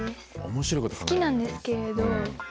好きなんですけれど。